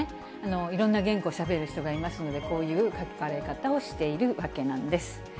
いろんな言語をしゃべる人がいますので、こういう書かれ方をしているわけなんです。